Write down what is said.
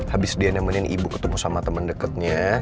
habis dia nemenin ibu ketemu sama temen deketnya